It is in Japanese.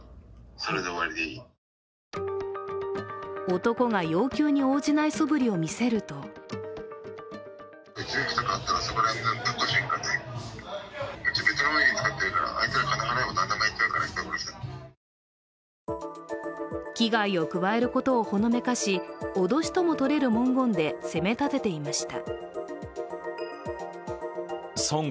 男が要求に応じないそぶりを見せると危害を加えることをほのめかし、脅しともとれる文言でせめたてていました。